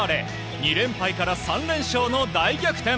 ２連敗から３連勝の大逆転！